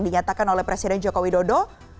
dinyatakan oleh presiden jokowi dodo